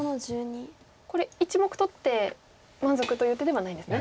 これ１目取って満足という手ではないんですね。